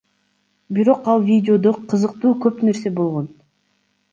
Бирок ал видеодо кызыктуу көп нерсе болгон.